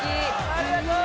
ありがとう！